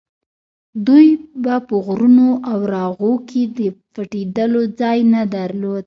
دوی به په غرونو او راغو کې د پټېدو ځای نه درلود.